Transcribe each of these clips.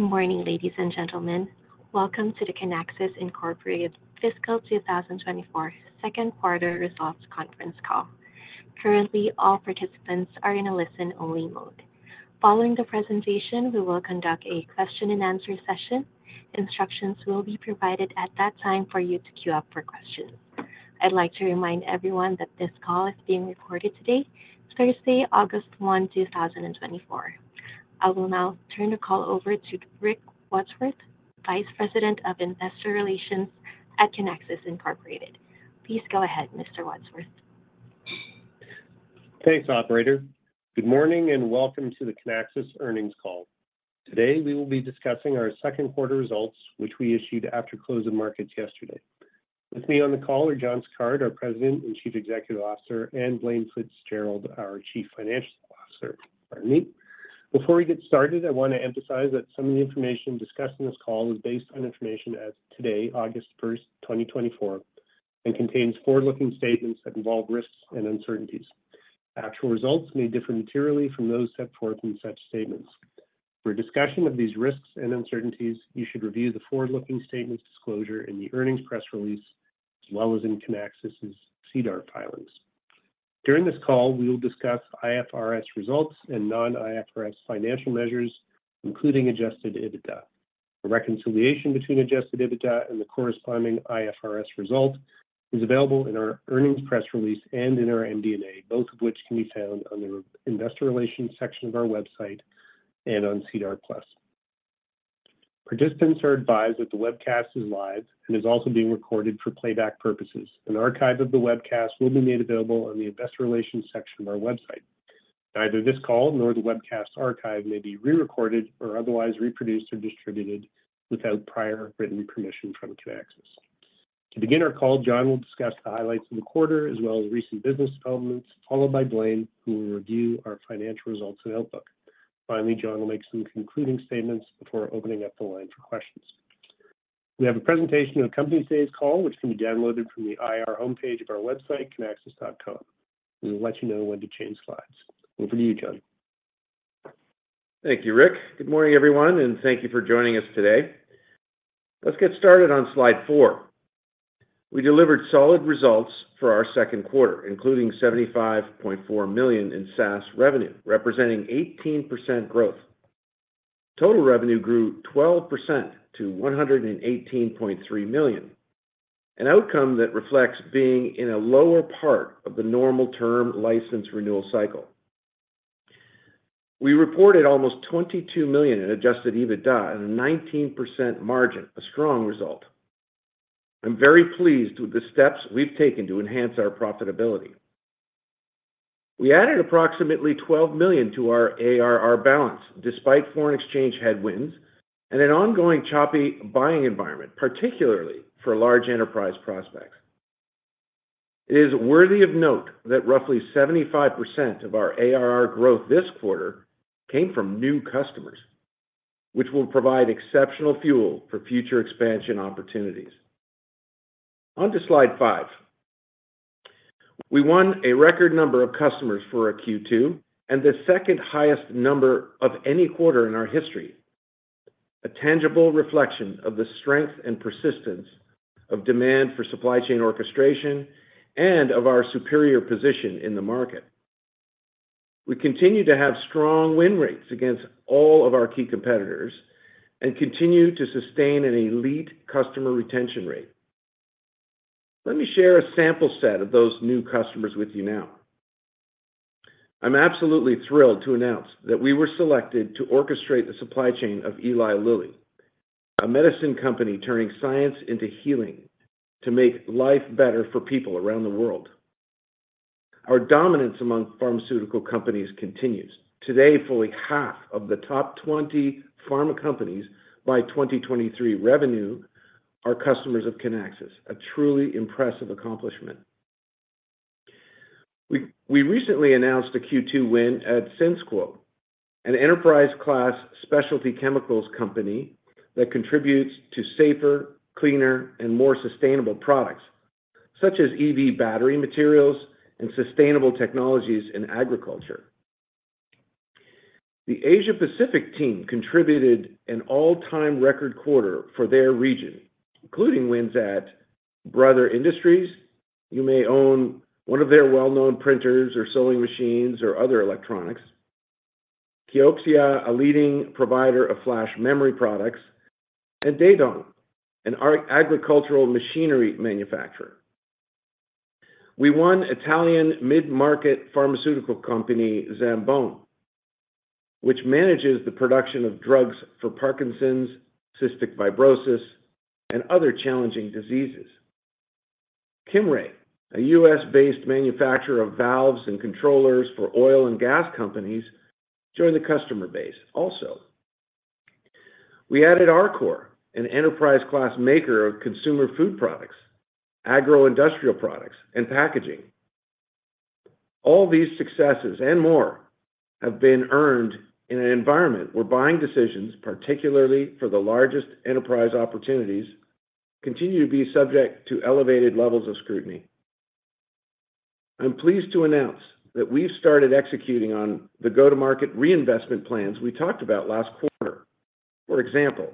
Good morning, ladies and gentlemen. Welcome to the Kinaxis Incorporated Fiscal 2024 second quarter results conference call. Currently, all participants are in a listen-only mode. Following the presentation, we will conduct a question and answer session. Instructions will be provided at that time for you to queue up for questions. I'd like to remind everyone that this call is being recorded today, Thursday, August 1, 2024. I will now turn the call over to Rick Wadsworth, Vice President of Investor Relations at Kinaxis Incorporated. Please go ahead, Mr. Wadsworth. Thanks, operator. Good morning, and welcome to the Kinaxis earnings call. Today, we will be discussing our second quarter results, which we issued after close of markets yesterday. With me on the call are John Sicard, our President and Chief Executive Officer, and Blaine Fitzgerald, our Chief Financial Officer. Pardon me. Before we get started, I want to emphasize that some of the information discussed in this call is based on information as of today, August 1, 2024, and contains forward-looking statements that involve risks and uncertainties. Actual results may differ materially from those set forth in such statements. For a discussion of these risks and uncertainties, you should review the forward-looking statements disclosure in the earnings press release, as well as in Kinaxis's SEDAR filings. During this call, we will discuss IFRS results and non-IFRS financial measures, including adjusted EBITDA. A reconciliation between adjusted EBITDA and the corresponding IFRS result is available in our earnings press release and in our MD&A, both of which can be found on the Investor Relations section of our website and on SEDAR+. Participants are advised that the webcast is live and is also being recorded for playback purposes. An archive of the webcast will be made available on the Investor Relations section of our website. Neither this call nor the webcast archive may be re-recorded or otherwise reproduced or distributed without prior written permission from Kinaxis. To begin our call, John will discuss the highlights of the quarter, as well as recent business developments, followed by Blaine, who will review our financial results and outlook. Finally, John will make some concluding statements before opening up the line for questions. We have a presentation of company today's call, which can be downloaded from the IR homepage of our website, kinaxis.com. We will let you know when to change slides. Over to you, John. Thank you, Rick. Good morning, everyone, and thank you for joining us today. Let's get started on slide four. We delivered solid results for our second quarter, including $75.4 million in SaaS revenue, representing 18% growth. Total revenue grew 12% to $118.3 million, an outcome that reflects being in a lower part of the normal term license renewal cycle. We reported almost $22 million in adjusted EBITDA and a 19% margin, a strong result. I'm very pleased with the steps we've taken to enhance our profitability. We added approximately $12 million to our ARR balance, despite foreign exchange headwinds and an ongoing choppy buying environment, particularly for large enterprise prospects. It is worthy of note that roughly 75% of our ARR growth this quarter came from new customers, which will provide exceptional fuel for future expansion opportunities. On to slide five. We won a record number of customers for a Q2 and the second highest number of any quarter in our history, a tangible reflection of the strength and persistence of demand for supply chain orchestration and of our superior position in the market. We continue to have strong win rates against all of our key competitors and continue to sustain an elite customer retention rate. Let me share a sample set of those new customers with you now. I'm absolutely thrilled to announce that we were selected to orchestrate the supply chain of Eli Lilly, a medicine company, turning science into healing to make life better for people around the world. Our dominance among pharmaceutical companies continues. Today, fully half of the top 20 pharma companies by 2023 revenue are customers of Kinaxis, a truly impressive accomplishment. We recently announced a Q2 win at Syensqo, an enterprise-class specialty chemicals company that contributes to safer, cleaner, and more sustainable products, such as EV battery materials and sustainable technologies in agriculture. The Asia Pacific team contributed an all-time record quarter for their region, including wins at Brother Industries. You may own one of their well-known printers or sewing machines or other electronics. Kioxia, a leading provider of flash memory products, and Daedong, an agricultural machinery manufacturer. We won Italian mid-market pharmaceutical company, Zambon, which manages the production of drugs for Parkinson's, cystic fibrosis, and other challenging diseases. Kimray, a U.S.-based manufacturer of valves and controllers for oil and gas companies, joined the customer base also. We added Arcor, an enterprise-class maker of consumer food products, agro-industrial products, and packaging. All these successes and more have been earned in an environment where buying decisions, particularly for the largest enterprise opportunities, continue to be subject to elevated levels of scrutiny. I'm pleased to announce that we've started executing on the go-to-market reinvestment plans we talked about last quarter. For example,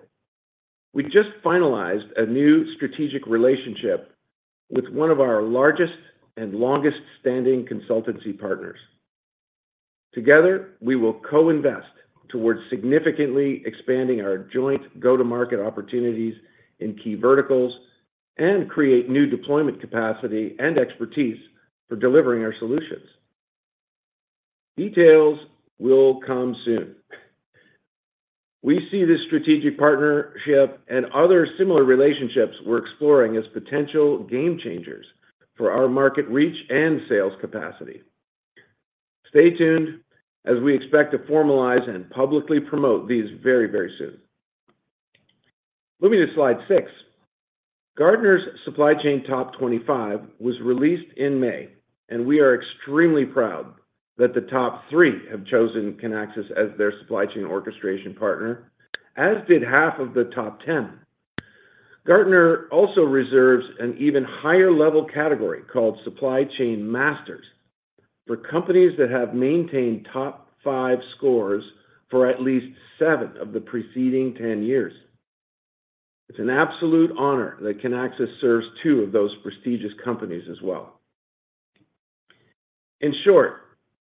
we just finalized a new strategic relationship with one of our largest and longest-standing consultancy partners. Together, we will co-invest towards significantly expanding our joint go-to-market opportunities in key verticals and create new deployment capacity and expertise for delivering our solutions. Details will come soon. We see this strategic partnership and other similar relationships we're exploring as potential game changers for our market reach and sales capacity. Stay tuned, as we expect to formalize and publicly promote these very, very soon. Moving to slide six, Gartner's Supply Chain Top 25 was released in May, and we are extremely proud that the top 3 have chosen Kinaxis as their supply chain orchestration partner, as did half of the top 10. Gartner also reserves an even higher level category, called Supply Chain Masters, for companies that have maintained top 5 scores for at least 7 of the preceding 10 years. It's an absolute honor that Kinaxis serves two of those prestigious companies as well. In short,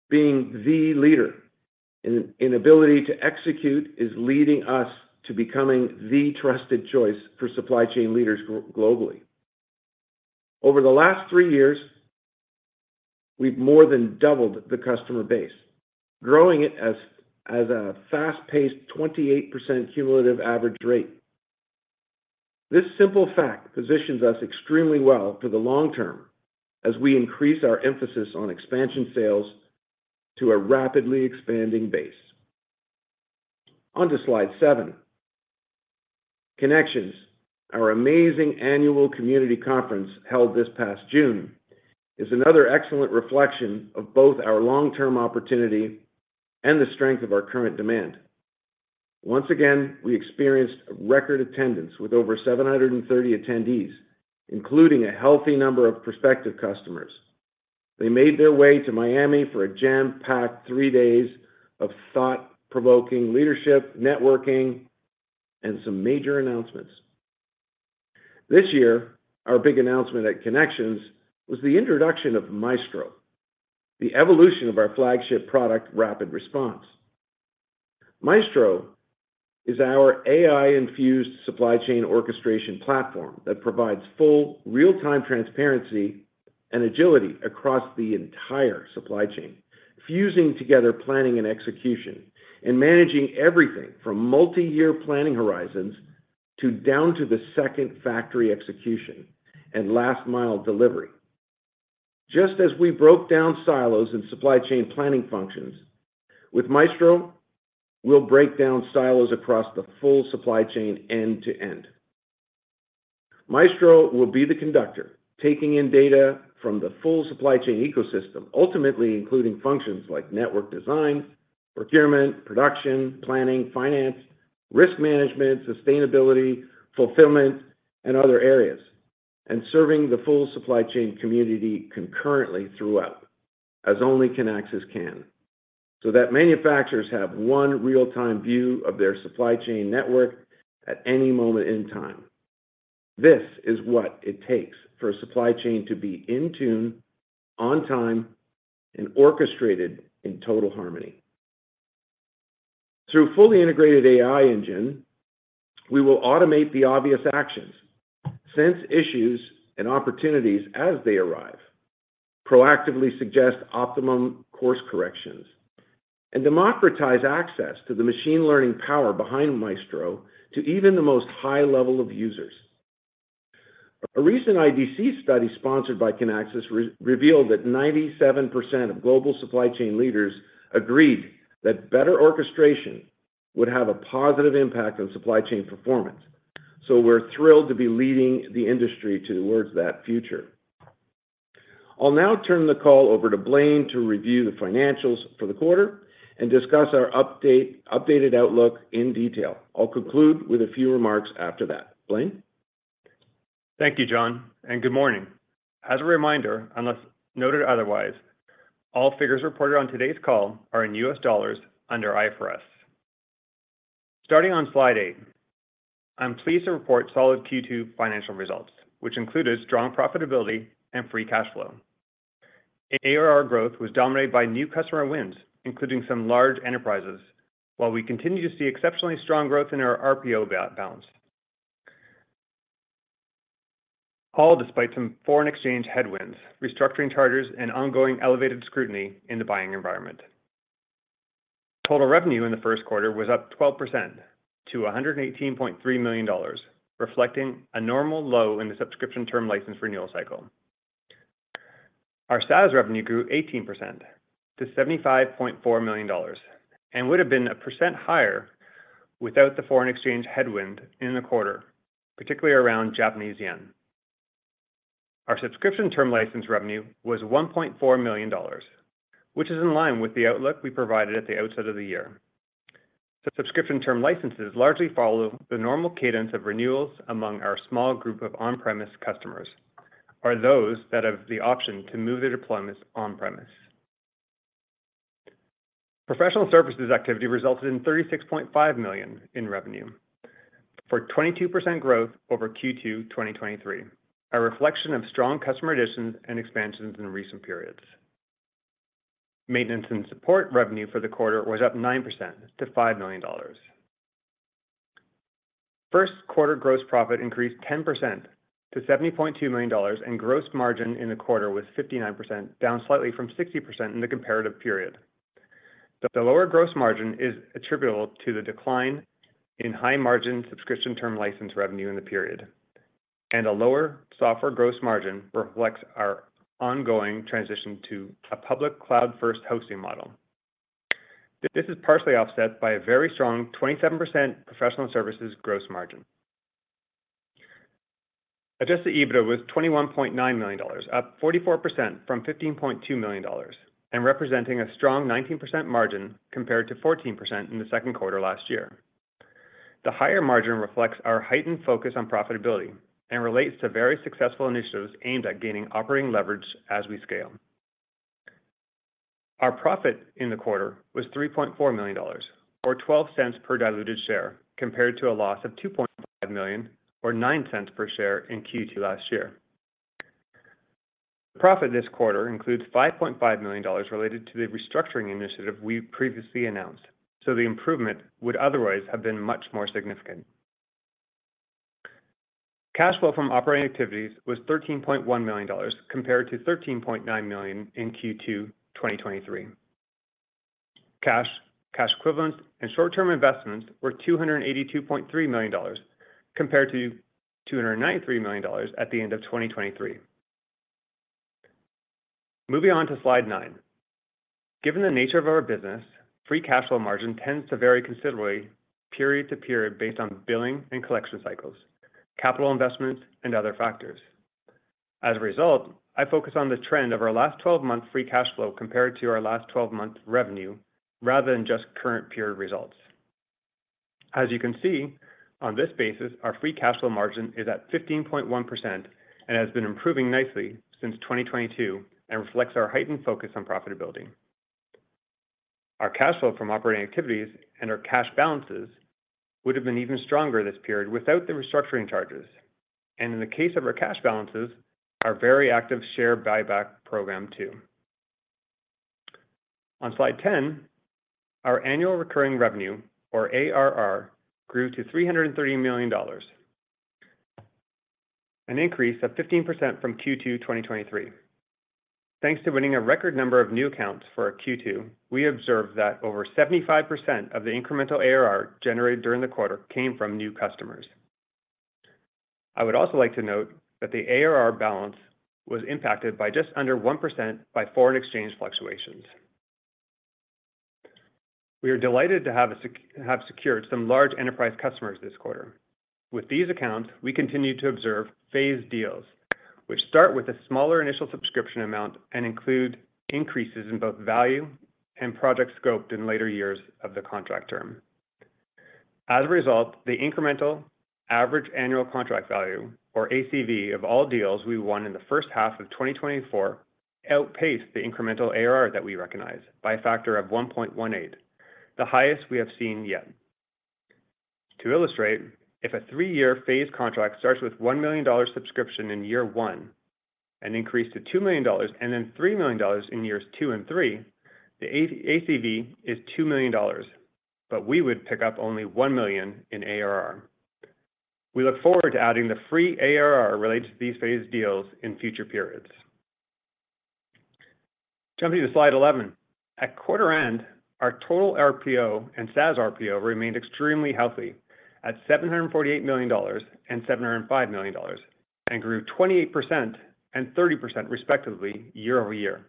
being the leader in ability to execute is leading us to becoming the trusted choice for supply chain leaders globally. Over the last 3 years, we've more than doubled the customer base, growing it as a fast-paced 28% cumulative average rate. This simple fact positions us extremely well for the long term, as we increase our emphasis on expansion sales to a rapidly expanding base. On to slide seven. Connections, our amazing annual community conference held this past June, is another excellent reflection of both our long-term opportunity and the strength of our current demand. Once again, we experienced record attendance, with over 730 attendees, including a healthy number of prospective customers. They made their way to Miami for a jam-packed 3 days of thought-provoking leadership, networking, and some major announcements. This year, our big announcement at Connections was the introduction of Maestro, the evolution of our flagship product, RapidResponse. Maestro is our AI-infused supply chain orchestration platform that provides full, real-time transparency and agility across the entire supply chain, fusing together planning and execution, and managing everything from multiyear planning horizons to down-to-the-second factory execution and last-mile delivery. Just as we broke down silos in supply chain planning functions, with Maestro, we'll break down silos across the full supply chain end to end. Maestro will be the conductor, taking in data from the full supply chain ecosystem, ultimately including functions like network design, procurement, production, planning, finance, risk management, sustainability, fulfillment, and other areas, and serving the full supply chain community concurrently throughout, as only Kinaxis can, so that manufacturers have one real-time view of their supply chain network at any moment in time. This is what it takes for a supply chain to be in tune, on time, and orchestrated in total harmony. Through fully integrated AI engine, we will automate the obvious actions, sense issues and opportunities as they arrive, proactively suggest optimum course corrections, and democratize access to the machine learning power behind Maestro to even the most high level of users. A recent IDC study sponsored by Kinaxis revealed that 97% of global supply chain leaders agreed that better orchestration would have a positive impact on supply chain performance. So we're thrilled to be leading the industry towards that future. I'll now turn the call over to Blaine to review the financials for the quarter and discuss our updated outlook in detail. I'll conclude with a few remarks after that. Blaine? Thank you, John, and good morning. As a reminder, unless noted otherwise, all figures reported on today's call are in US dollars under IFRS. Starting on slide eight, I'm pleased to report solid Q2 financial results, which included strong profitability and free cash flow. ARR growth was dominated by new customer wins, including some large enterprises, while we continue to see exceptionally strong growth in our RPO balance. All despite some foreign exchange headwinds, restructuring charges, and ongoing elevated scrutiny in the buying environment. Total revenue in the first quarter was up 12% to $118.3 million, reflecting a normal low in the subscription term license renewal cycle. Our SaaS revenue grew 18% to $75.4 million, and would have been 1% higher without the foreign exchange headwind in the quarter, particularly around Japanese yen. Our subscription term license revenue was $1.4 million, which is in line with the outlook we provided at the outset of the year. Subscription term licenses largely follow the normal cadence of renewals among our small group of on-premise customers, or those that have the option to move their deployments on-premise. Professional services activity resulted in $36.5 million in revenue, for 22% growth over Q2 2023, a reflection of strong customer additions and expansions in recent periods. Maintenance and support revenue for the quarter was up 9% to $5 million. First quarter gross profit increased 10% to $70.2 million, and gross margin in the quarter was 59%, down slightly from 60% in the comparative period. The lower gross margin is attributable to the decline in high-margin subscription term license revenue in the period, and a lower software gross margin reflects our ongoing transition to a public cloud-first hosting model. This is partially offset by a very strong 27% professional services gross margin. Adjusted EBITDA was $21.9 million, up 44% from $15.2 million, and representing a strong 19% margin compared to 14% in the second quarter last year. The higher margin reflects our heightened focus on profitability and relates to very successful initiatives aimed at gaining operating leverage as we scale. Our profit in the quarter was $3.4 million, or $0.12 per diluted share, compared to a loss of $2.5 million, or $0.09 per share in Q2 last year. The profit this quarter includes $5.5 million related to the restructuring initiative we previously announced, so the improvement would otherwise have been much more significant. Cash flow from operating activities was $13.1 million, compared to $13.9 million in Q2 2023. Cash, cash equivalents, and short-term investments were $282.3 million, compared to $293 million at the end of 2023. Moving on to slide nine. Given the nature of our business, free cash flow margin tends to vary considerably period to period based on billing and collection cycles, capital investments, and other factors. As a result, I focus on the trend of our last 12-month free cash flow compared to our last 12-month revenue, rather than just current period results. As you can see, on this basis, our free cash flow margin is at 15.1% and has been improving nicely since 2022 and reflects our heightened focus on profitability. Our cash flow from operating activities and our cash balances would have been even stronger this period without the restructuring charges, and in the case of our cash balances, our very active share buyback program, too. On slide 10, our annual recurring revenue, or ARR, grew to $330 million, an increase of 15% from Q2 2023. Thanks to winning a record number of new accounts for our Q2, we observed that over 75% of the incremental ARR generated during the quarter came from new customers. I would also like to note that the ARR balance was impacted by just under 1% by foreign exchange fluctuations. We are delighted to have have secured some large enterprise customers this quarter. With these accounts, we continue to observe phased deals, which start with a smaller initial subscription amount and include increases in both value and project scope in later years of the contract term. As a result, the incremental Average Annual Contract Value, or ACV, of all deals we won in the first half of 2024 outpaced the incremental ARR that we recognize by a factor of 1.18, the highest we have seen yet. To illustrate, if a three-year phase contract starts with $1 million dollar subscription in year one and increase to $2 million dollars, and then $3 million dollars in years two and three, the ACV is $2 million dollars, but we would pick up only $1 million in ARR. We look forward to adding the free ARR related to these phased deals in future periods. Jumping to slide 11. At quarter end, our total RPO and SaaS RPO remained extremely healthy at $748 million and $705 million, and grew 28% and 30% respectively year-over-year.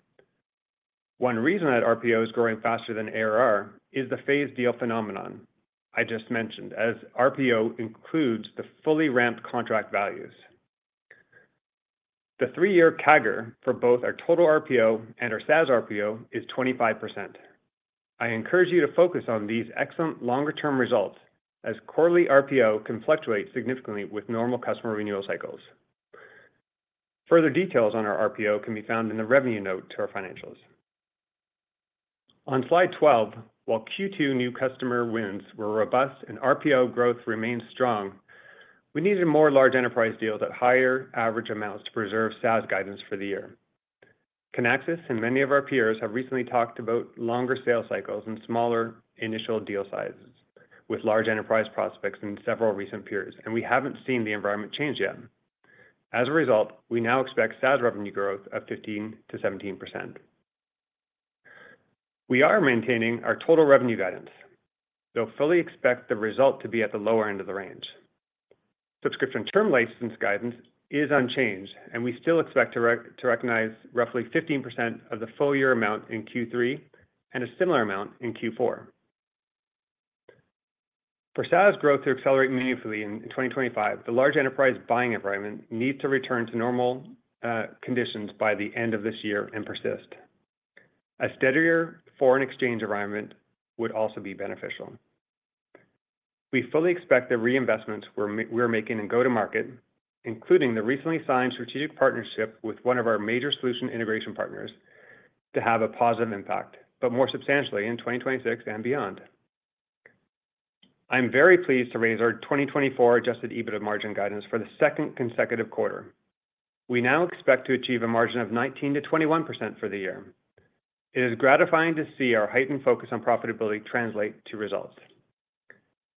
One reason that RPO is growing faster than ARR is the phased deal phenomenon I just mentioned, as RPO includes the fully ramped contract values. The three-year CAGR for both our total RPO and our SaaS RPO is 25%. I encourage you to focus on these excellent longer-term results as quarterly RPO can fluctuate significantly with normal customer renewal cycles. Further details on our RPO can be found in the revenue note to our financials. On slide 12, while Q2 new customer wins were robust and RPO growth remained strong, we needed more large enterprise deals at higher average amounts to preserve SaaS guidance for the year. Kinaxis and many of our peers have recently talked about longer sales cycles and smaller initial deal sizes with large enterprise prospects in several recent periods, and we haven't seen the environment change yet. As a result, we now expect SaaS revenue growth of 15%-17%. We are maintaining our total revenue guidance, though fully expect the result to be at the lower end of the range. Subscription term license guidance is unchanged, and we still expect to recognize roughly 15% of the full year amount in Q3, and a similar amount in Q4. For SaaS growth to accelerate meaningfully in 2025, the large enterprise buying environment needs to return to normal conditions by the end of this year and persist. A steadier foreign exchange environment would also be beneficial. We fully expect the reinvestments we're making in go-to-market, including the recently signed strategic partnership with one of our major solution integration partners, to have a positive impact, but more substantially in 2026 and beyond. I'm very pleased to raise our 2024 adjusted EBITDA margin guidance for the second consecutive quarter. We now expect to achieve a margin of 19%-21% for the year. It is gratifying to see our heightened focus on profitability translate to results.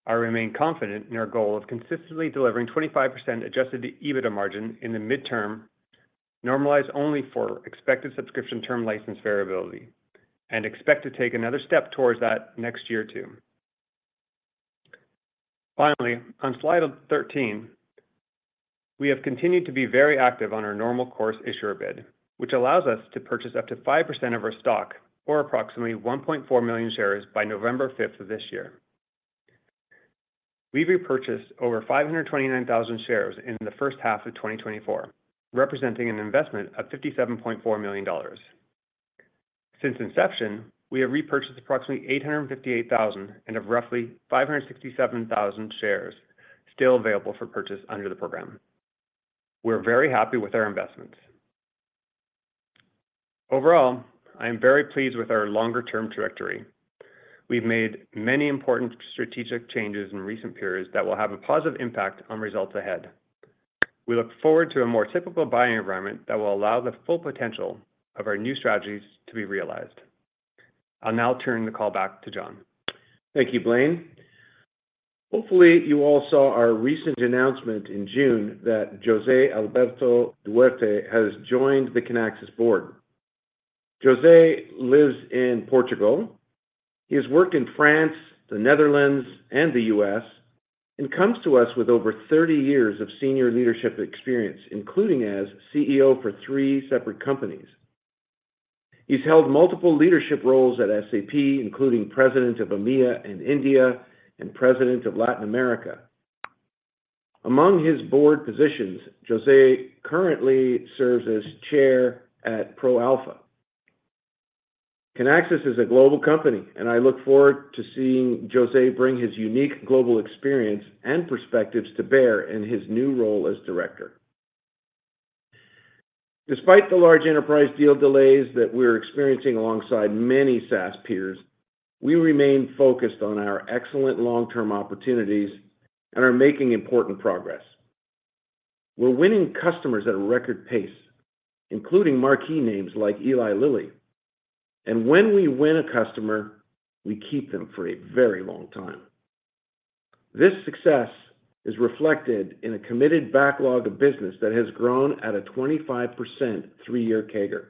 I remain confident in our goal of consistently delivering 25% adjusted EBITDA margin in the midterm, normalized only for expected subscription term license variability, and expect to take another step towards that next year, too. Finally, on slide 13, we have continued to be very active on our normal course issuer bid, which allows us to purchase up to 5% of our stock, or approximately 1.4 million shares, by November 5th of this year. We've repurchased over 529,000 shares in the first half of 2024, representing an investment of $57.4 million. Since inception, we have repurchased approximately 858,000, and have roughly 567,000 shares still available for purchase under the program. We're very happy with our investments. Overall, I am very pleased with our longer-term trajectory. We've made many important strategic changes in recent periods that will have a positive impact on results ahead. We look forward to a more typical buying environment that will allow the full potential of our new strategies to be realized. I'll now turn the call back to John. Thank you, Blaine. Hopefully, you all saw our recent announcement in June that José Alberto Duarte has joined the Kinaxis board. José lives in Portugal. He has worked in France, the Netherlands, and the U.S., and comes to us with over thirty years of senior leadership experience, including as CEO for three separate companies. He's held multiple leadership roles at SAP, including President of EMEA and India, and President of Latin America. Among his board positions, José currently serves as chair at ProAlpha. Kinaxis is a global company, and I look forward to seeing José bring his unique global experience and perspectives to bear in his new role as director. Despite the large enterprise deal delays that we're experiencing alongside many SaaS peers, we remain focused on our excellent long-term opportunities and are making important progress. We're winning customers at a record pace, including marquee names like Eli Lilly, and when we win a customer, we keep them for a very long time. This success is reflected in a committed backlog of business that has grown at a 25% three-year CAGR.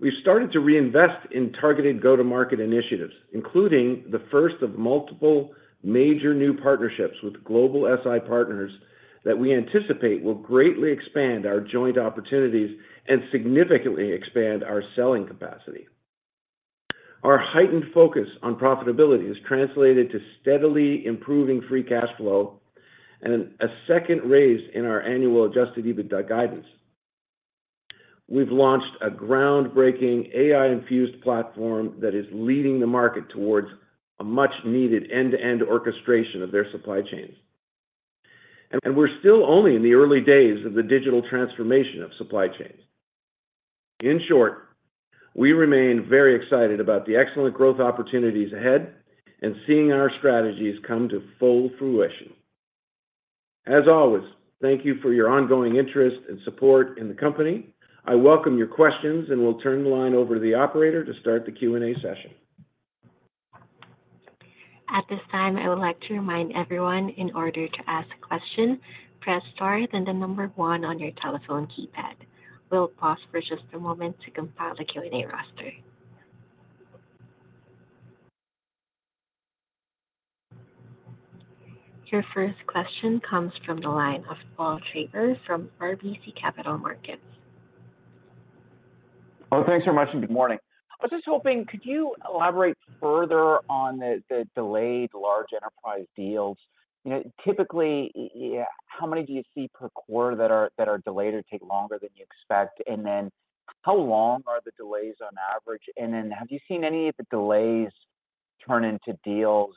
We've started to reinvest in targeted go-to-market initiatives, including the first of multiple major new partnerships with global SI partners that we anticipate will greatly expand our joint opportunities and significantly expand our selling capacity. Our heightened focus on profitability has translated to steadily improving free cash flow and a second raise in our annual adjusted EBITDA guidance. We've launched a groundbreaking AI-infused platform that is leading the market towards a much-needed end-to-end orchestration of their supply chains. We're still only in the early days of the digital transformation of supply chains. In short, we remain very excited about the excellent growth opportunities ahead and seeing our strategies come to full fruition. As always, thank you for your ongoing interest and support in the company. I welcome your questions, and will turn the line over to the operator to start the Q&A session. At this time, I would like to remind everyone, in order to ask a question, press star, then the number one on your telephone keypad. We'll pause for just a moment to compile the Q&A roster. Your first question comes from the line of Paul Treiber from RBC Capital Markets. Oh, thanks so much, and good morning. I was just hoping, could you elaborate further on the delayed large enterprise deals? You know, typically, how many do you see per quarter that are delayed or take longer than you expect? And then, how long are the delays on average? And then, have you seen any of the delays turn into deals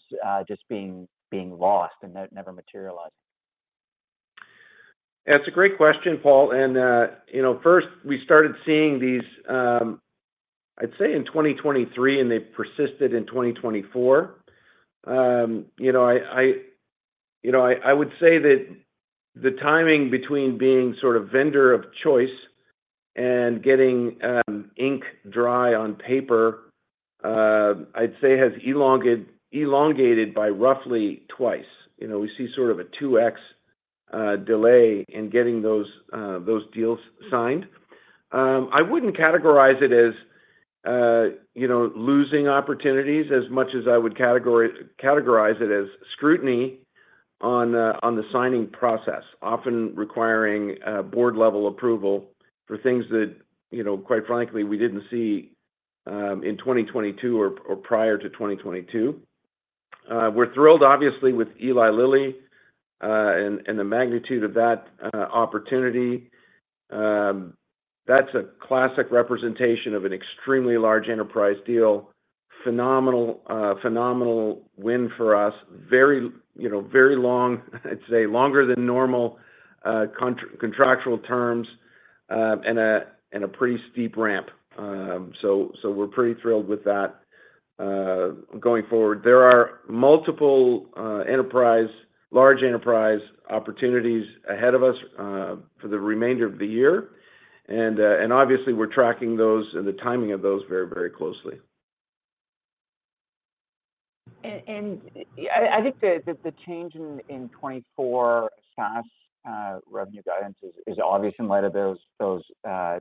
just being lost and never materializing? It's a great question, Paul, and, you know, first, we started seeing these, I'd say, in 2023, and they persisted in 2024. You know, I would say that the timing between being sort of vendor of choice and getting, ink dry on paper, I'd say has elongated by roughly twice. You know, we see sort of a 2x delay in getting those deals signed. I wouldn't categorize it as, you know, losing opportunities as much as I would categorize it as scrutiny on, on the signing process, often requiring, board-level approval for things that, you know, quite frankly, we didn't see, in 2022 or prior to 2022. We're thrilled, obviously, with Eli Lilly, and the magnitude of that opportunity. That's a classic representation of an extremely large enterprise deal. Phenomenal, phenomenal win for us. Very, you know, very long, I'd say, longer than normal, contractual terms, and a, and a pretty steep ramp. So, so we're pretty thrilled with that. Going forward, there are multiple, enterprise, large enterprise opportunities ahead of us, for the remainder of the year. And obviously, we're tracking those and the timing of those very, very closely. I think the change in 2024 SaaS revenue guidance is obvious in light of those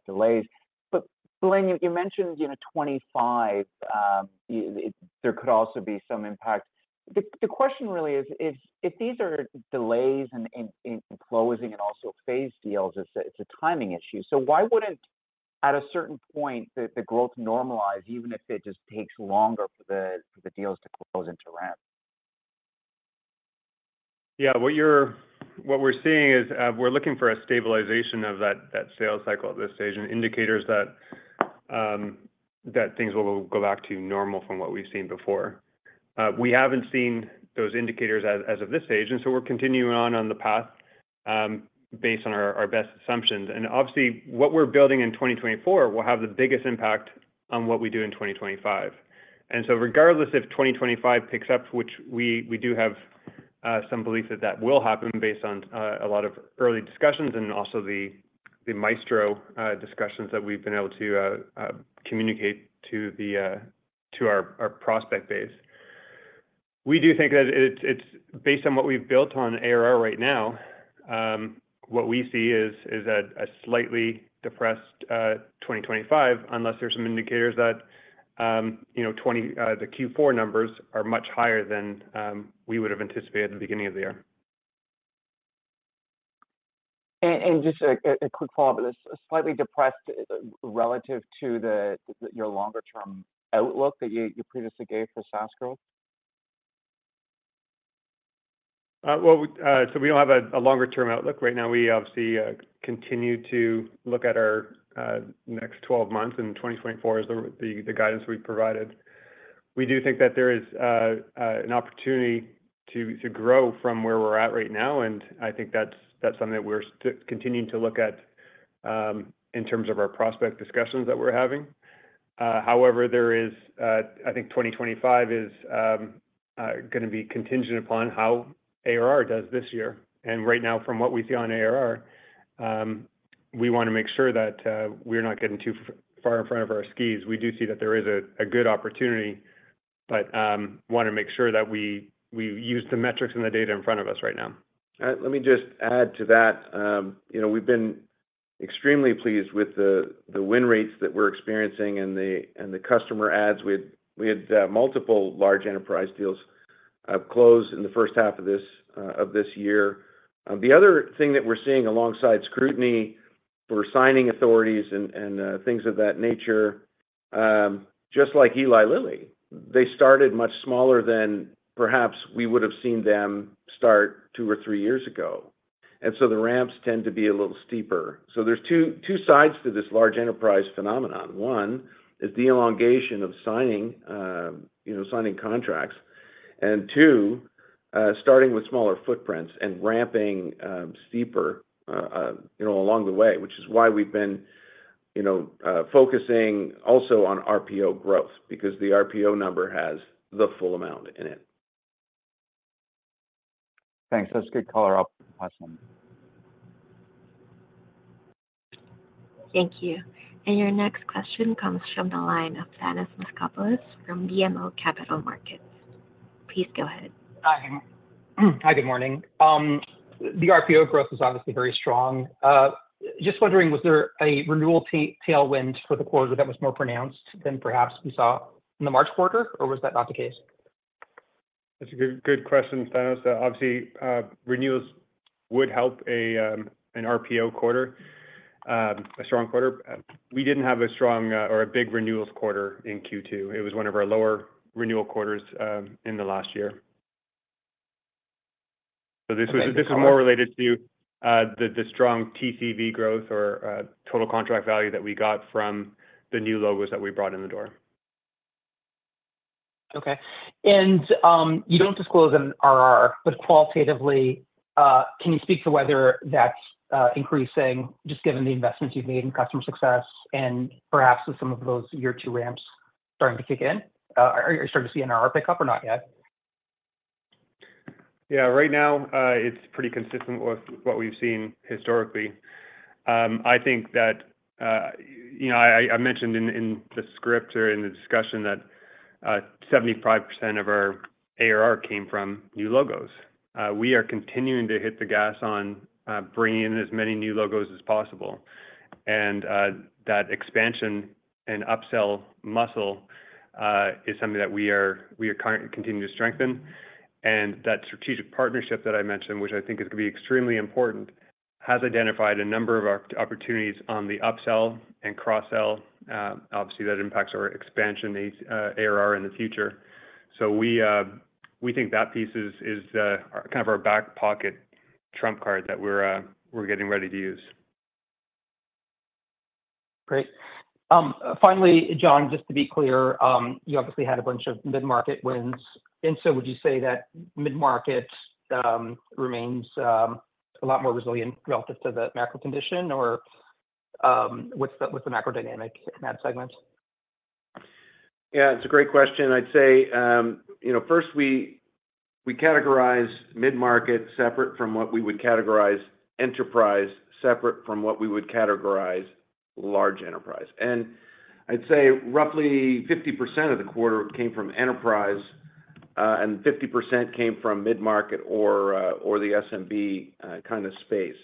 delays. But Blaine, you mentioned, you know, 2025, there could also be some impact. The question really is, if these are delays in closing and also phased deals, it's a timing issue. So why wouldn't, at a certain point, the growth normalize, even if it just takes longer for the deals to close and to ramp? Yeah. What we're seeing is, we're looking for a stabilization of that sales cycle at this stage, and indicators that things will go back to normal from what we've seen before. We haven't seen those indicators as of this stage, and so we're continuing on the path based on our best assumptions. Obviously, what we're building in 2024 will have the biggest impact on what we do in 2025. So regardless if 2025 picks up, which we do have some belief that that will happen based on a lot of early discussions and also the Maestro discussions that we've been able to communicate to our prospect base. We do think that it's based on what we've built on ARR right now, what we see is a slightly depressed 2025, unless there's some indicators that, you know, the Q4 numbers are much higher than we would have anticipated at the beginning of the year. Just a quick follow-up. Slightly depressed relative to your longer term outlook that you previously gave for SaaS growth? Well, so we don't have a longer term outlook right now. We obviously continue to look at our next 12 months, and 2024 is the guidance we've provided. We do think that there is an opportunity to grow from where we're at right now, and I think that's something that we're continuing to look at in terms of our prospect discussions that we're having. However, there is, I think 2025 is gonna be contingent upon how ARR does this year. Right now, from what we see on ARR, we wanna make sure that we're not getting too far in front of our skis. We do see that there is a good opportunity, but wanna make sure that we use the metrics and the data in front of us right now. Let me just add to that. You know, we've been extremely pleased with the win rates that we're experiencing and the customer adds. We had multiple large enterprise deals closed in the first half of this year. The other thing that we're seeing alongside scrutiny for signing authorities and things of that nature, just like Eli Lilly, they started much smaller than perhaps we would have seen them start two or three years ago. And so the ramps tend to be a little steeper. So there's two sides to this large enterprise phenomenon. One is the elongation of signing, you know, signing contracts. And two, starting with smaller footprints and ramping steeper, you know, along the way, which is why we've been, you know, focusing also on RPO growth, because the RPO number has the full amount in it. Thanks. That's a good color up, awesome. Thank you. And your next question comes from the line of Thanos Moschopoulos from BMO Capital Markets. Please go ahead. Hi. Hi, good morning. The RPO growth is obviously very strong. Just wondering, was there a renewal tailwind for the quarter that was more pronounced than perhaps we saw in the March quarter, or was that not the case? That's a good, good question, Thanos. Obviously, renewals would help a, an RPO quarter, a strong quarter. We didn't have a strong, or a big renewals quarter in Q2. It was one of our lower renewal quarters, in the last year. So this was- Thank you. This is more related to the strong TCV growth or total contract value that we got from the new logos that we brought in the door. Okay. And, you don't disclose an RR, but qualitatively, can you speak to whether that's increasing, just given the investments you've made in customer success and perhaps with some of those year two ramps starting to kick in? Are you starting to see an RR pickup or not yet? Yeah. Right now, it's pretty consistent with what we've seen historically. I think that, you know, I mentioned in the script or in the discussion that 75% of our ARR came from new logos. We are continuing to hit the gas on bringing in as many new logos as possible, and that expansion and upsell muscle is something that we are continuing to strengthen. And that strategic partnership that I mentioned, which I think is going to be extremely important, has identified a number of our opportunities on the upsell and cross-sell. Obviously, that impacts our expansion, the ARR in the future. So we think that piece is kind of our back pocket trump card that we're getting ready to use. Great. Finally, John, just to be clear, you obviously had a bunch of mid-market wins. And so would you say that mid-market remains a lot more resilient relative to the macro condition? Or, what's the macro dynamic in that segment? Yeah, it's a great question. I'd say, you know, first, we categorize mid-market separate from what we would categorize enterprise, separate from what we would categorize large enterprise. I'd say roughly 50% of the quarter came from enterprise, and 50% came from mid-market or, or the SMB, kind of space.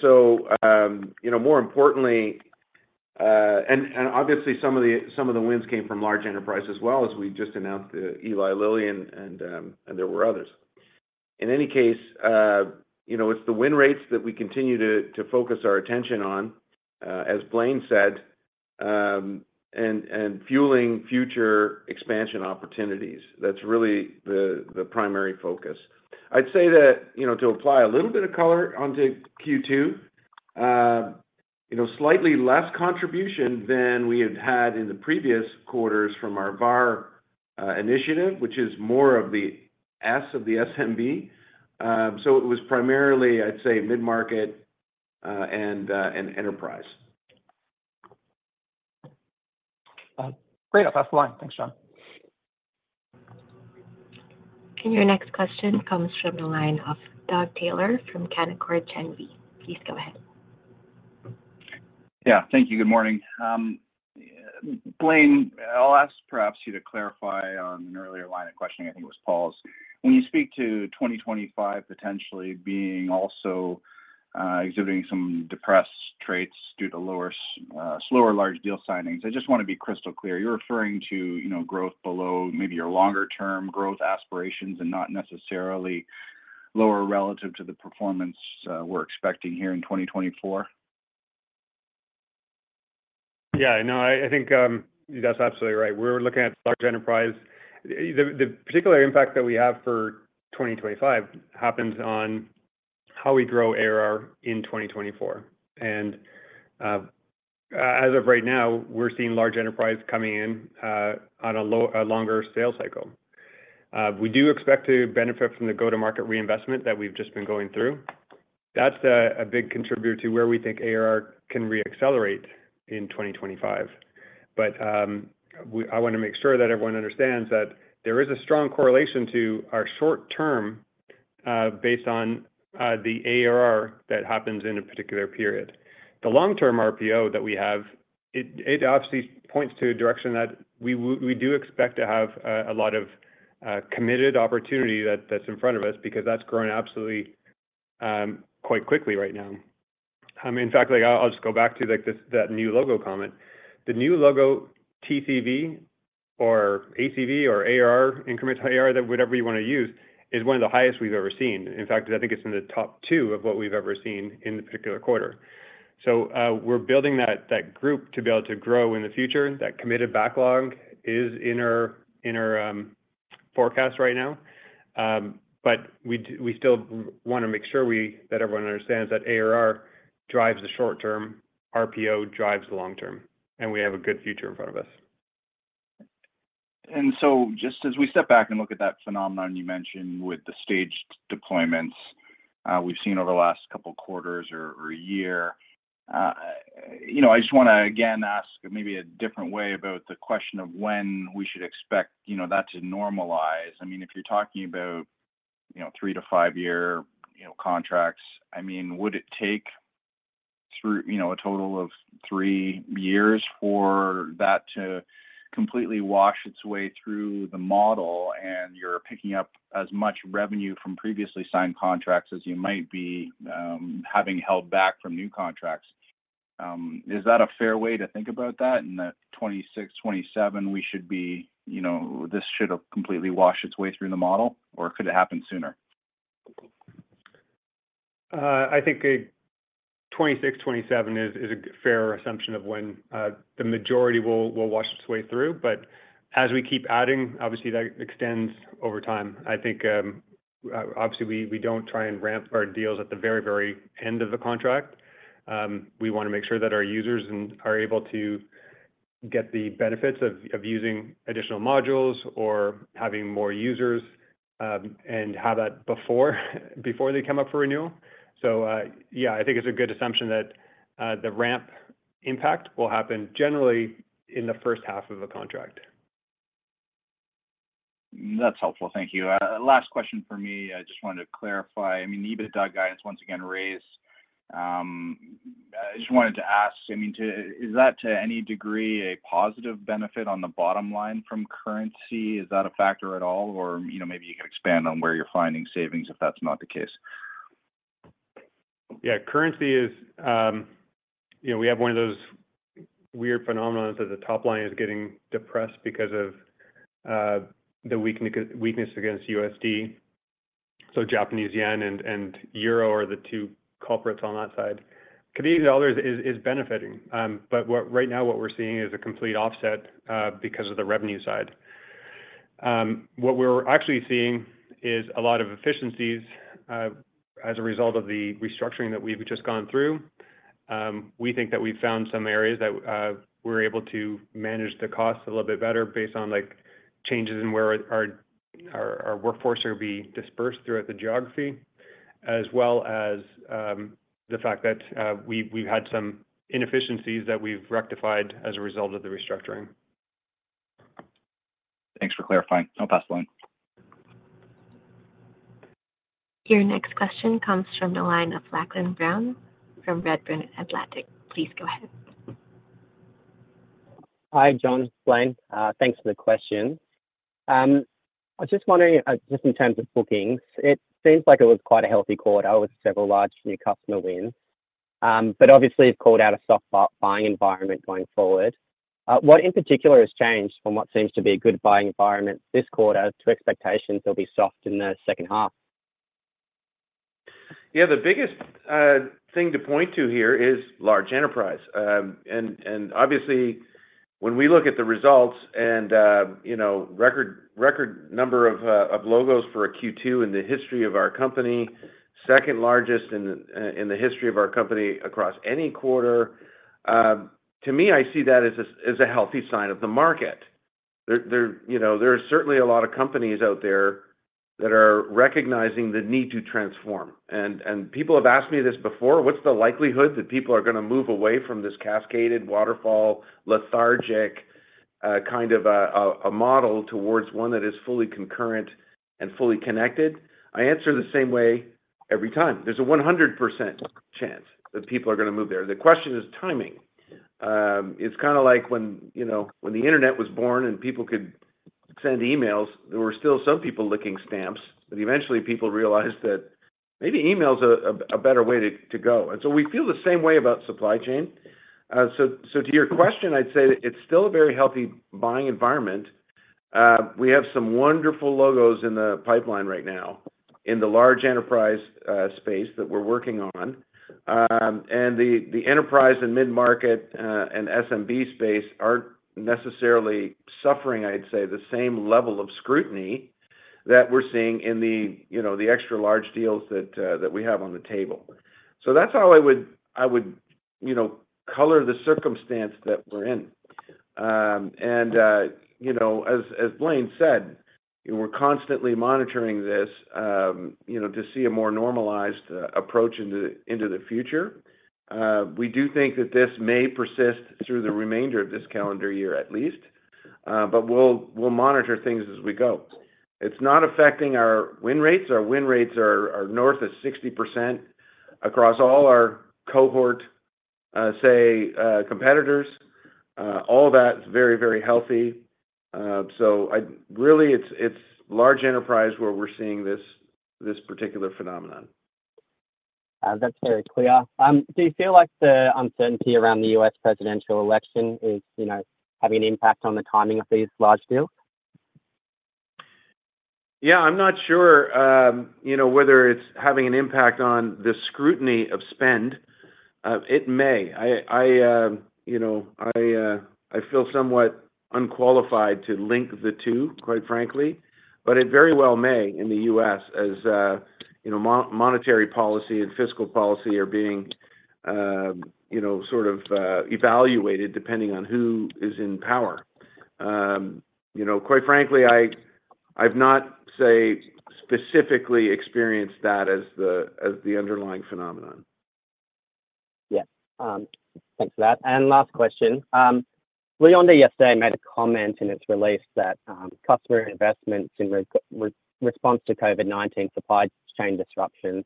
So, you know, more importantly, and, and obviously, some of the, some of the wins came from large enterprise as well, as we just announced, Eli Lilly and, and, and there were others. In any case, you know, it's the win rates that we continue to, to focus our attention on, as Blaine said, and, and fueling future expansion opportunities. That's really the, the primary focus. I'd say that, you know, to apply a little bit of color onto Q2, you know, slightly less contribution than we had had in the previous quarters from our bar initiative, which is more of the S of the SMB. So it was primarily, I'd say, mid-market, and enterprise. Great. That's fine. Thanks, John. Your next question comes from the line of Doug Taylor from Canaccord Genuity. Please go ahead. Yeah, thank you. Good morning. Blaine, I'll ask perhaps you to clarify on an earlier line of questioning, I think it was Paul's. When you speak to 2025 potentially being also exhibiting some depressed traits due to lower, slower large deal signings, I just want to be crystal clear, you're referring to, you know, growth below maybe your longer term growth aspirations and not necessarily lower relative to the performance we're expecting here in 2024? Yeah, no, I think that's absolutely right. We're looking at large enterprise. The particular impact that we have for 2025 happens on how we grow ARR in 2024. And as of right now, we're seeing large enterprise coming in on a longer sales cycle. We do expect to benefit from the go-to-market reinvestment that we've just been going through. That's a big contributor to where we think ARR can reaccelerate in 2025. But I want to make sure that everyone understands that there is a strong correlation to our short term based on the ARR that happens in a particular period. The long-term RPO that we have, it obviously points to a direction that we do expect to have a lot of committed opportunity that's in front of us, because that's growing absolutely quite quickly right now. I mean, in fact, like, I'll just go back to, like, this, that new logo comment. The new logo, TCV or ACV or ARR, incremental ARR, that whatever you want to use, is one of the highest we've ever seen. In fact, I think it's in the top two of what we've ever seen in the particular quarter. So, we're building that group to be able to grow in the future. That committed backlog is in our forecast right now. But we still want to make sure that everyone understands that ARR drives the short term, RPO drives the long term, and we have a good future in front of us. And so just as we step back and look at that phenomenon you mentioned with the staged deployments, we've seen over the last couple of quarters or year, you know, I just want to again ask maybe a different way about the question of when we should expect, you know, that to normalize. I mean, if you're talking about, you know, 3-5-year, you know, contracts, I mean, would it take through, you know, a total of 3 years for that to completely wash its way through the model, and you're picking up as much revenue from previously signed contracts as you might be having held back from new contracts? Is that a fair way to think about that? In the 2026, 2027, we should be, you know, this should have completely washed its way through the model, or could it happen sooner? I think a 2026-2027 is a fair assumption of when the majority will wash its way through. But as we keep adding, obviously, that extends over time. I think, obviously, we don't try and ramp our deals at the very, very end of the contract. We want to make sure that our users are able to get the benefits of using additional modules or having more users, and have that before they come up for renewal. So, yeah, I think it's a good assumption that the ramp impact will happen generally in the first half of a contract. That's helpful. Thank you. Last question for me. I just wanted to clarify. I mean, EBITDA guidance once again raised. I just wanted to ask, I mean, is that to any degree a positive benefit on the bottom line from currency? Is that a factor at all, or, you know, maybe you can expand on where you're finding savings, if that's not the case? ... Yeah, currency is, you know, we have one of those weird phenomenons that the top line is getting depressed because of the weakness against USD. So Japanese yen and euro are the two culprits on that side. Canadian dollar is benefiting, but what-- right now what we're seeing is a complete offset because of the revenue side. What we're actually seeing is a lot of efficiencies as a result of the restructuring that we've just gone through. We think that we've found some areas that we're able to manage the costs a little bit better based on, like, changes in where our workforce are be dispersed throughout the geography, as well as the fact that we've had some inefficiencies that we've rectified as a result of the restructuring. Thanks for clarifying. I'll pass the line. Your next question comes from the line of Lachlan Brown from Redburn Atlantic. Please go ahead. Hi, John. It's Blaine. Thanks for the question. I was just wondering, just in terms of bookings, it seems like it was quite a healthy quarter with several large new customer wins. But obviously, it's called out a soft buying environment going forward. What in particular has changed from what seems to be a good buying environment this quarter, to expectations will be soft in the second half? Yeah, the biggest thing to point to here is large enterprise. And obviously, when we look at the results and, you know, record number of logos for a Q2 in the history of our company, second largest in the history of our company across any quarter, to me, I see that as a healthy sign of the market. There, you know, there are certainly a lot of companies out there that are recognizing the need to transform. And people have asked me this before, "What's the likelihood that people are gonna move away from this cascaded, waterfall, lethargic kind of a model towards one that is fully concurrent and fully connected?" I answer the same way every time: there's a 100% chance that people are going to move there. The question is timing. It's kinda like when, you know, when the internet was born and people could send emails, there were still some people licking stamps, but eventually people realized that maybe email is a better way to go. And so we feel the same way about supply chain. So to your question, I'd say that it's still a very healthy buying environment. We have some wonderful logos in the pipeline right now in the large enterprise space that we're working on. And the enterprise and mid-market and SMB space aren't necessarily suffering, I'd say, the same level of scrutiny that we're seeing in the, you know, the extra large deals that we have on the table. So that's how I would, you know, color the circumstance that we're in. And, you know, as Blaine said, we're constantly monitoring this, you know, to see a more normalized approach into the future. We do think that this may persist through the remainder of this calendar year, at least, but we'll monitor things as we go. It's not affecting our win rates. Our win rates are north of 60% across all our cohort, say, competitors. All that is very, very healthy. So I really, it's large enterprise where we're seeing this particular phenomenon. That's very clear. Do you feel like the uncertainty around the U.S. presidential election is, you know, having an impact on the timing of these large deals? Yeah, I'm not sure, you know, whether it's having an impact on the scrutiny of spend. It may. I, you know, I feel somewhat unqualified to link the two, quite frankly, but it very well may in the US, as, you know, monetary policy and fiscal policy are being, you know, sort of, evaluated depending on who is in power. You know, quite frankly, I've not, say, specifically experienced that as the, as the underlying phenomenon. Yeah. Thanks for that. Last question Leona yesterday made a comment in its release that customer investments in response to COVID-19 supply chain disruptions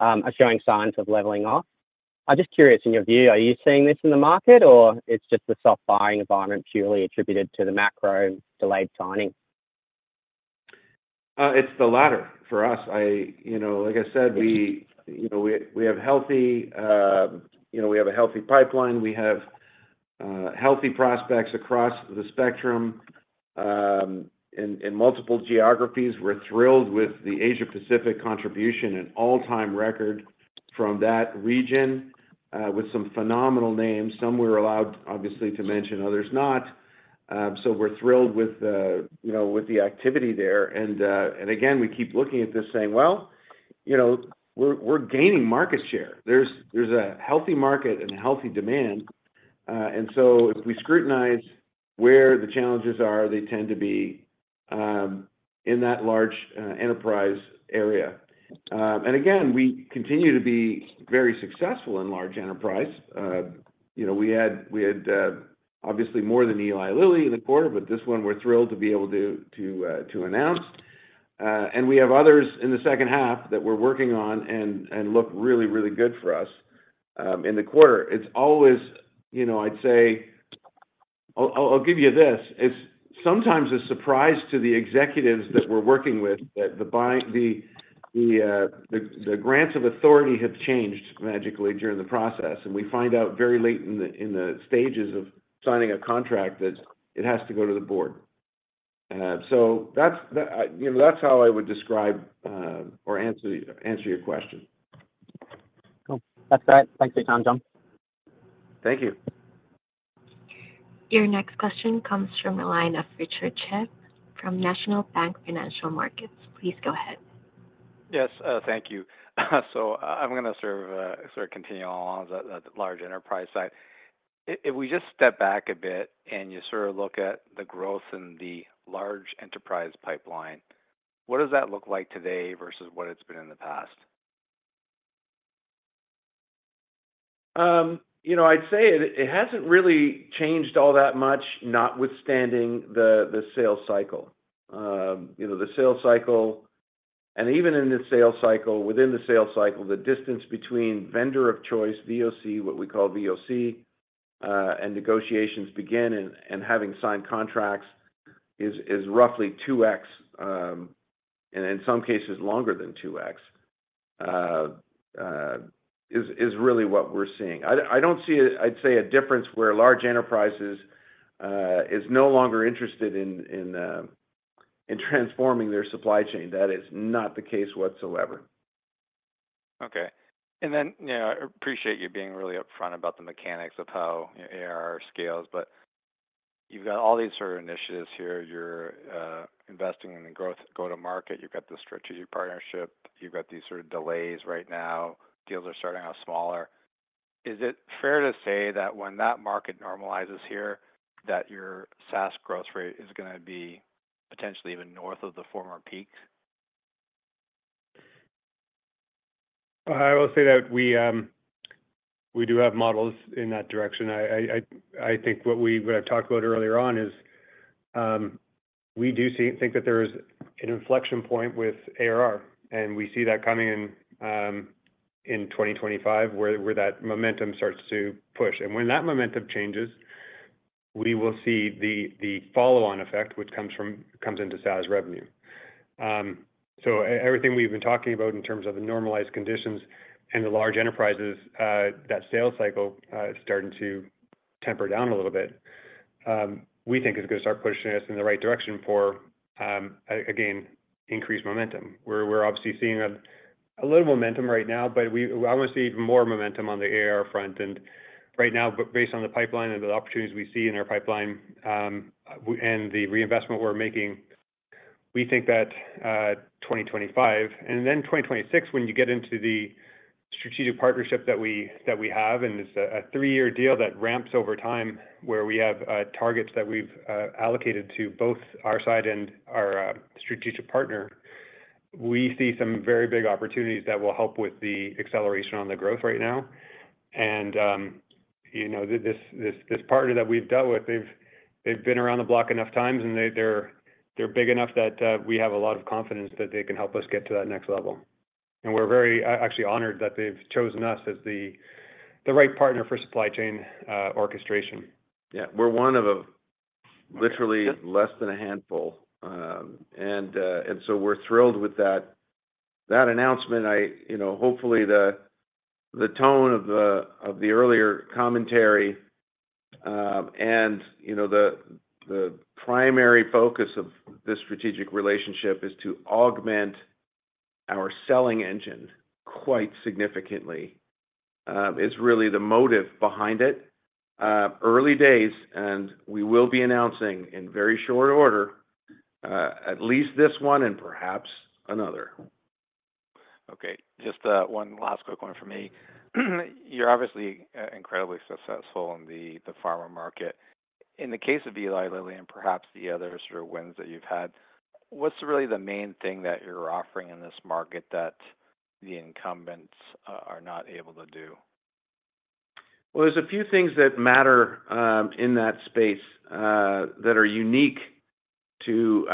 are showing signs of leveling off. I'm just curious, in your view, are you seeing this in the market, or it's just a soft buying environment purely attributed to the macro delayed signing? It's the latter for us. I, you know, like I said, we have a healthy pipeline. We have healthy prospects across the spectrum in multiple geographies. We're thrilled with the Asia-Pacific contribution, an all-time record from that region with some phenomenal names. Some we're allowed, obviously, to mention, others not. So we're thrilled with the, you know, with the activity there. And again, we keep looking at this saying, "Well, you know, we're gaining market share." There's a healthy market and healthy demand, and so if we scrutinize where the challenges are, they tend to be in that large enterprise area. And again, we continue to be very successful in large enterprise. You know, we had obviously more than Eli Lilly in the quarter, but this one we're thrilled to be able to announce. And we have others in the second half that we're working on and look really, really good for us in the quarter. It's always, you know, I'll give you this: it's sometimes a surprise to the executives that we're working with, that the grants of authority have changed magically during the process, and we find out very late in the stages of signing a contract that it has to go to the board. So that's how I would describe or answer your question. Cool. That's all right. Thanks for your time, John. Thank you. Your next question comes from the line of Richard Tse from National Bank Financial Markets. Please go ahead. Yes, thank you. So I'm gonna sort of continue on the large enterprise side. If we just step back a bit and you sort of look at the growth in the large enterprise pipeline, what does that look like today versus what it's been in the past? You know, I'd say it hasn't really changed all that much, notwithstanding the sales cycle. You know, the sales cycle, and even in the sales cycle, within the sales cycle, the distance between vendor of choice, VOC, what we call VOC, and negotiations begin and having signed contracts is roughly 2x, and in some cases longer than 2x, is really what we're seeing. I don't see, I'd say, a difference where large enterprises is no longer interested in transforming their supply chain. That is not the case whatsoever. Okay. And then, you know, I appreciate you being really upfront about the mechanics of how ARR scales, but you've got all these sort of initiatives here. You're investing in the growth go-to-market, you've got the strategic partnership, you've got these sort of delays right now, deals are starting out smaller. Is it fair to say that when that market normalizes here, that your SaaS growth rate is gonna be potentially even north of the former peak? I will say that we, we do have models in that direction. I think what we, what I talked about earlier on is, we think that there is an inflection point with ARR, and we see that coming in 2025, where that momentum starts to push. And when that momentum changes, we will see the follow-on effect, which comes into SaaS revenue. So everything we've been talking about in terms of the normalized conditions and the large enterprises, that sales cycle is starting to temper down a little bit, we think is gonna start pushing us in the right direction for, again, increased momentum. We're obviously seeing a little momentum right now, but I want to see even more momentum on the ARR front. And right now, based on the pipeline and the opportunities we see in our pipeline, and the reinvestment we're making, we think that 2025, and then 2026, when you get into the strategic partnership that we have, and it's a three-year deal that ramps over time, where we have targets that we've allocated to both our side and our strategic partner, we see some very big opportunities that will help with the acceleration on the growth right now. And you know, this partner that we've dealt with, they've been around the block enough times, and they're big enough that we have a lot of confidence that they can help us get to that next level. We're very actually honored that they've chosen us as the right partner for supply chain orchestration. Yeah. We're one of literally less than a handful. And so we're thrilled with that announcement. I, you know, hopefully, the tone of the earlier commentary, and, you know, the primary focus of this strategic relationship is to augment our selling engine quite significantly, is really the motive behind it. Early days, and we will be announcing in very short order, at least this one and perhaps another. Okay, just, one last quick one for me. You're obviously, incredibly successful in the pharma market. In the case of Eli Lilly, and perhaps the other sort of wins that you've had, what's really the main thing that you're offering in this market that the incumbents are, are not able to do? Well, there's a few things that matter in that space that are unique to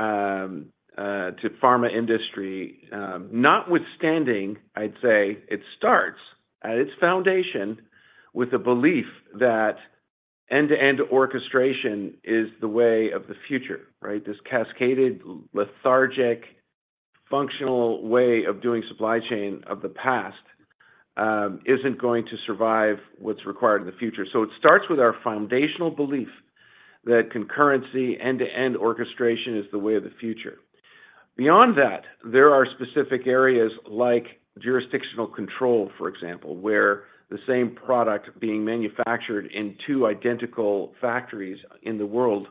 pharma industry. Notwithstanding, I'd say, it starts at its foundation with the belief that end-to-end orchestration is the way of the future, right? This cascaded, lethargic, functional way of doing supply chain of the past isn't going to survive what's required in the future. So it starts with our foundational belief that concurrency end-to-end orchestration is the way of the future. Beyond that, there are specific areas like jurisdictional control, for example, where the same product being manufactured in two identical factories in the world,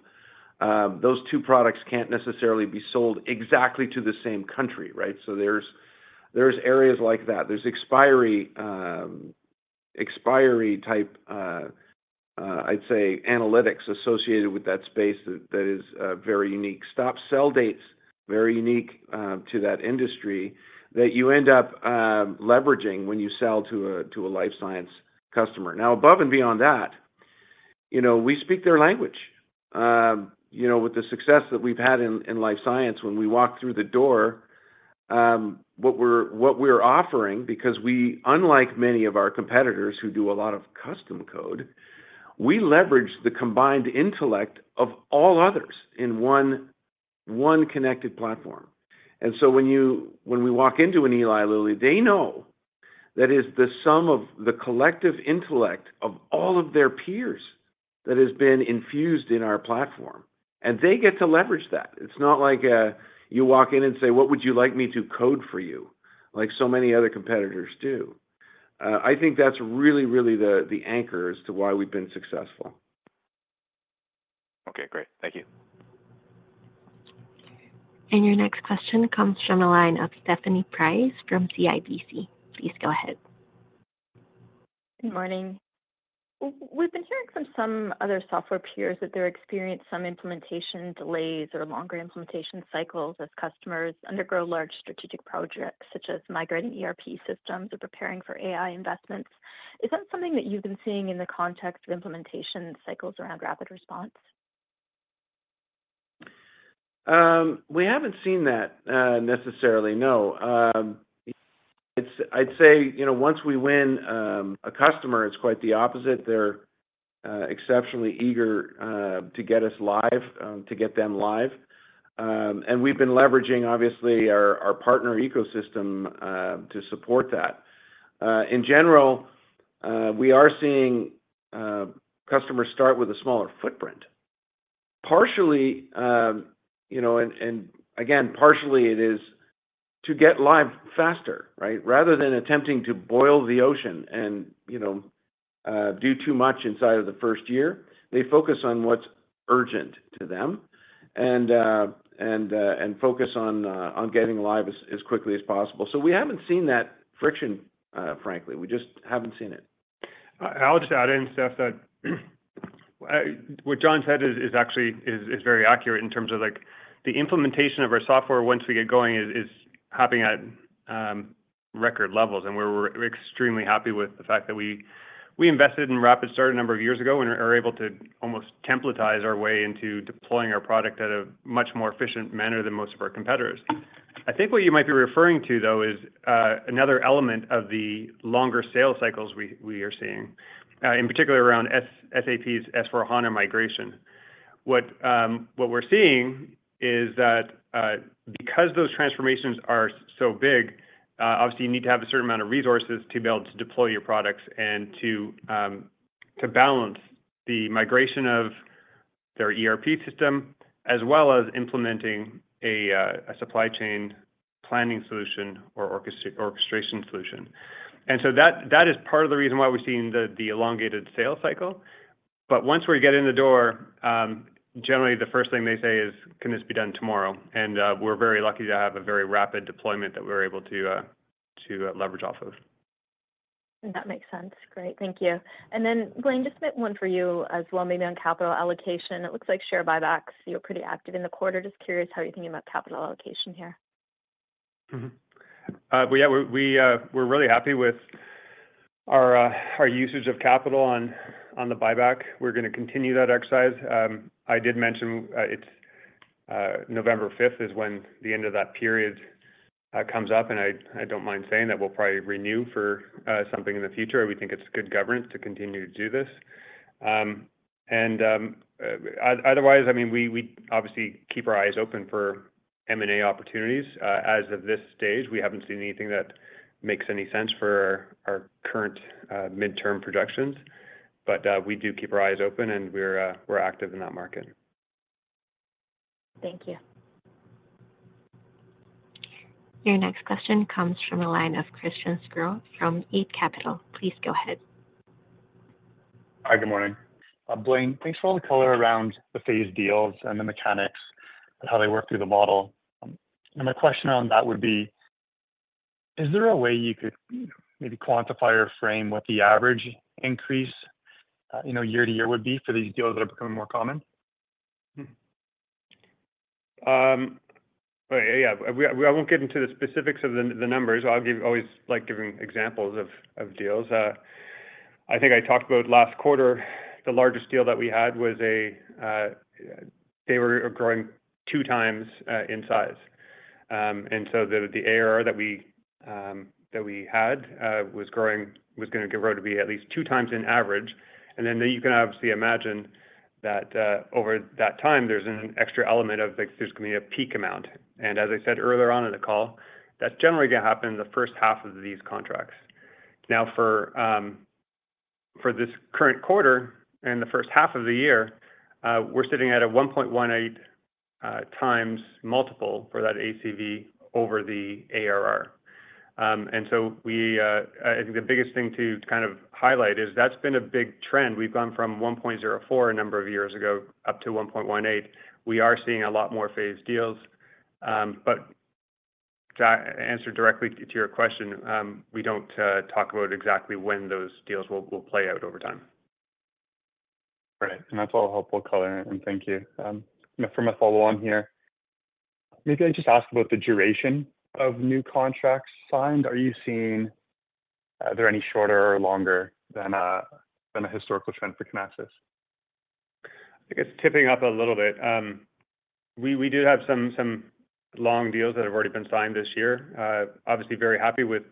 those two products can't necessarily be sold exactly to the same country, right? So there's areas like that. There's expiry, expiry type, I'd say, analytics associated with that space that is very unique. Stop sell dates, very unique, to that industry, that you end up leveraging when you sell to a life science customer. Now, above and beyond that, you know, we speak their language. You know, with the success that we've had in life science, when we walk through the door, what we're offering, because we, unlike many of our competitors who do a lot of custom code, we leverage the combined intellect of all others in one connected platform. And so when we walk into an Eli Lilly, they know that is the sum of the collective intellect of all of their peers that has been infused in our platform, and they get to leverage that. It's not like, you walk in and say, "What would you like me to code for you?" Like so many other competitors do. I think that's really, really the anchor as to why we've been successful. Okay, great. Thank you. Your next question comes from the line of Stephanie Price from CIBC. Please go ahead. Good morning. We've been hearing from some other software peers that they're experienced some implementation delays or longer implementation cycles as customers undergo large strategic projects, such as migrating ERP systems or preparing for AI investments. Is that something that you've been seeing in the context of implementation cycles around RapidResponse? We haven't seen that, necessarily, no. It's-- I'd say, you know, once we win a customer, it's quite the opposite. They're exceptionally eager to get us live, to get them live. And we've been leveraging, obviously, our partner ecosystem to support that. In general, we are seeing customers start with a smaller footprint. Partially, you know, and again, partially it is to get live faster, right? Rather than attempting to boil the ocean and, you know, do too much inside of the first year, they focus on what's urgent to them and, and focus on getting live as quickly as possible. So we haven't seen that friction, frankly. We just haven't seen it. I'll just add in, Steph, that what John said is actually very accurate in terms of, like, the implementation of our software once we get going is happening at record levels. And we're extremely happy with the fact that we invested in RapidStart a number of years ago and are able to almost templatize our way into deploying our product at a much more efficient manner than most of our competitors. I think what you might be referring to, though, is another element of the longer sales cycles we are seeing in particular around SAP's S/4HANA migration. What we're seeing is that, because those transformations are so big, obviously you need to have a certain amount of resources to be able to deploy your products and to balance the migration of their ERP system, as well as implementing a supply chain planning solution or orchestration solution. And so that is part of the reason why we're seeing the elongated sales cycle. But once we get in the door, generally the first thing they say is, "Can this be done tomorrow?" And we're very lucky to have a very rapid deployment that we're able to leverage off of. That makes sense. Great, thank you. And then, Blaine, just one for you as well, maybe on capital allocation. It looks like share buybacks, you're pretty active in the quarter. Just curious how you're thinking about capital allocation here? But yeah, we're really happy with our usage of capital on the buyback. We're gonna continue that exercise. I did mention, it's November fifth is when the end of that period comes up, and I don't mind saying that we'll probably renew for something in the future. We think it's good governance to continue to do this. Otherwise, I mean, we obviously keep our eyes open for M&A opportunities. As of this stage, we haven't seen anything that makes any sense for our current midterm projections, but we do keep our eyes open, and we're active in that market. Thank you. Your next question comes from the line of Christian Sgro from Eight Capital. Please go ahead. Hi, good morning. Blaine, thanks for all the color around the phased deals and the mechanics of how they work through the model. And my question on that would be, is there a way you could maybe quantify or frame what the average increase, you know, year to year would be for these deals that are becoming more common? Yeah, I won't get into the specifics of the numbers. I'll give always like giving examples of deals. I think I talked about last quarter, the largest deal that we had was a they were growing two times in size. And so the ARR that we had was growing, was gonna grow to be at least two times in average. And then you can obviously imagine that, over that time, there's an extra element of, like, there's gonna be a peak amount. And as I said earlier on in the call, that's generally gonna happen in the first half of these contracts. Now, for this current quarter and the first half of the year, we're sitting at a 1.18x multiple for that ACV over the ARR. And so I think the biggest thing to kind of highlight is that's been a big trend. We've gone from 1.04 a number of years ago up to 1.18. We are seeing a lot more phased deals. But to answer directly to your question, we don't talk about exactly when those deals will play out over time. Great. That's all helpful color, and thank you. Now for my follow on here, maybe I just ask about the duration of new contracts signed. Are you seeing, are there any shorter or longer than, than a historical trend for Kinaxis?... I think it's tipping up a little bit. We do have some long deals that have already been signed this year. Obviously, very happy with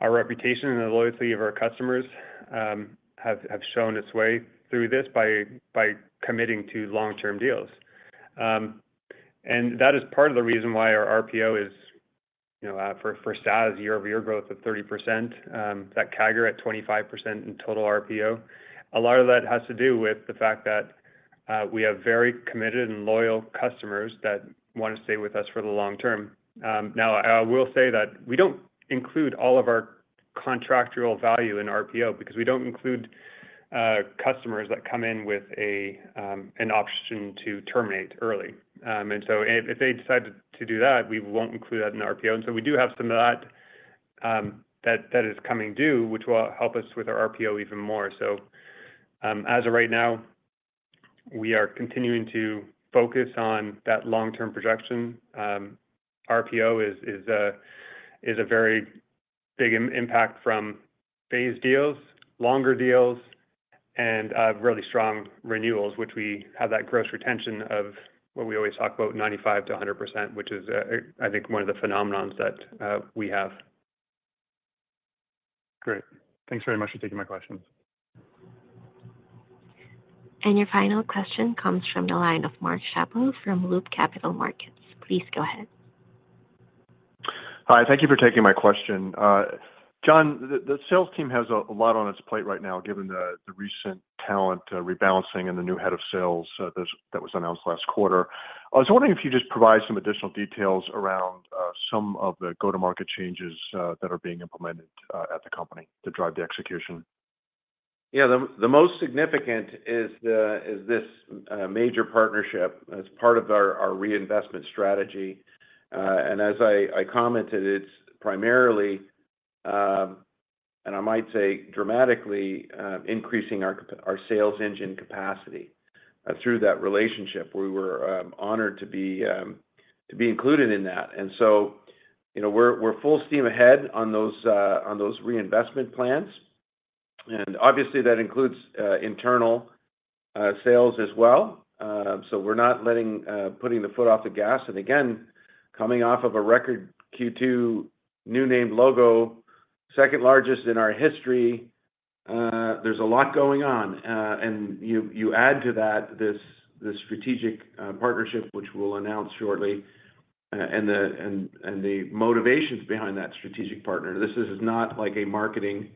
our reputation and the loyalty of our customers have shown its way through this by committing to long-term deals. And that is part of the reason why our RPO is, you know, for SaaS, year-over-year growth of 30%, that CAGR at 25% in total RPO. A lot of that has to do with the fact that we have very committed and loyal customers that want to stay with us for the long term. Now, I will say that we don't include all of our contractual value in RPO because we don't include customers that come in with an option to terminate early. And so if they decide to do that, we won't include that in RPO. And so we do have some of that, that is coming due, which will help us with our RPO even more. So, as of right now, we are continuing to focus on that long-term projection. RPO is a very big impact from phased deals, longer deals, and really strong renewals, which we have that gross retention of what we always talk about, 95%-100%, which is, I think, one of the phenomena that we have. Great. Thanks very much for taking my questions. Your final question comes from the line of Mark Schappel from Loop Capital Markets. Please go ahead. Hi, thank you for taking my question. John, the sales team has a lot on its plate right now, given the recent talent rebalancing and the new head of sales that was announced last quarter. I was wondering if you could just provide some additional details around some of the go-to-market changes that are being implemented at the company to drive the execution? Yeah, the most significant is this major partnership as part of our reinvestment strategy. And as I commented, it's primarily, and I might say dramatically, increasing our sales engine capacity. Through that relationship, we were honored to be included in that. And so, you know, we're full steam ahead on those reinvestment plans, and obviously, that includes internal sales as well. So we're not putting the foot off the gas, and again, coming off of a record Q2 new name logo, second largest in our history, there's a lot going on. And you add to that, this strategic partnership, which we'll announce shortly, and the motivations behind that strategic partner. This is not like a marketing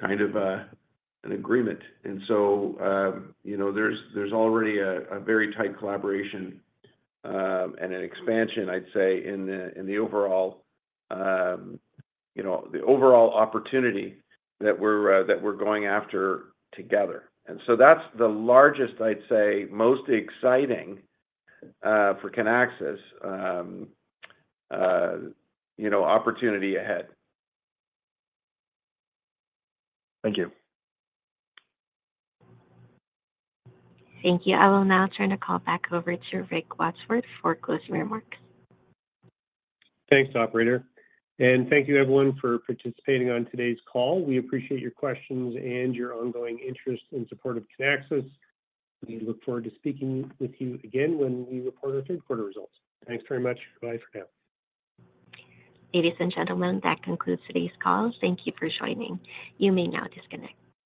kind of an agreement. And so, you know, there's already a very tight collaboration, and an expansion, I'd say, in the overall, you know, the overall opportunity that we're going after together. And so that's the largest, I'd say, most exciting, for Kinaxis, you know, opportunity ahead. Thank you. Thank you. I will now turn the call back over to Rick Wadsworth for closing remarks. Thanks, operator, and thank you everyone for participating on today's call. We appreciate your questions and your ongoing interest in support of Kinaxis. We look forward to speaking with you again when we report our third quarter results. Thanks very much. Bye for now. Ladies and gentlemen, that concludes today's call. Thank you for joining. You may now disconnect.